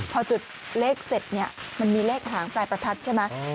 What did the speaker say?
พอจุดเลขเสร็จเนี่ยมันมีเลขหางปลายประทัดใช่ไหม